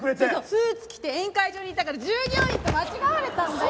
スーツ着て宴会場にいたから従業員と間違われたんだよ。